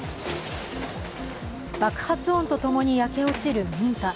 爆発音と共に焼け落ちる民家。